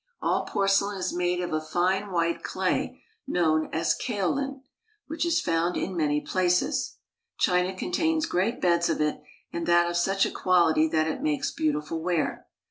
All porcelain is made of a fine white clay known as kaolin, which is found in many places. China contains great beds of it, and that of such a quality that it makes beautiful ware.